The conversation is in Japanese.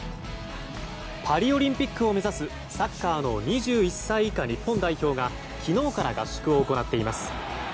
パリオリンピックを目指すサッカーの２１歳以下日本代表が昨日から合宿を行っています。